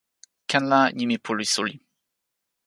ken la, nimi pu li suli.